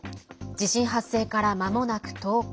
地震発生から、まもなく１０日。